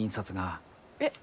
えっ？